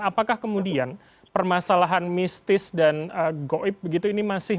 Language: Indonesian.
apakah kemudian permasalahan mistis dan goib begitu ini masih